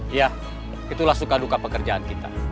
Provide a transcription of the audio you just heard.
iya itulah suka duka pekerjaan kita